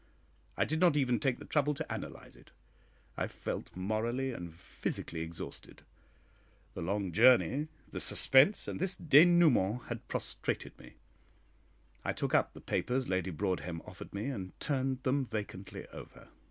I did not even take the trouble to analyse it. I felt morally and physically exhausted. The long journey, the suspense, and this dénouement, had prostrated me. I took up the papers Lady Broadhem offered me, and turned them vacantly over.